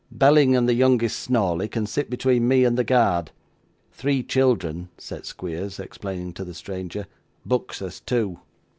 Belling and the youngest Snawley can sit between me and the guard. Three children,' said Squeers, explaining to the stranger, 'books as two.